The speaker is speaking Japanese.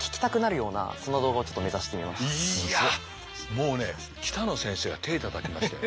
もうね北野先生が手たたきましたよ。